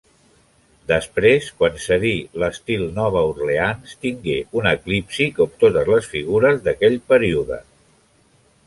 Després quan cedí l'estil Nova Orleans, tingué un eclipsi com totes les figures d'aquell període.